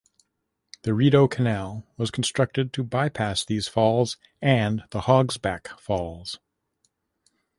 The Rideau Canal was constructed to bypass these falls and the Hog's Back Falls.